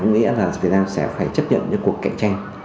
có nghĩa là việt nam sẽ phải chấp nhận những cuộc cạnh tranh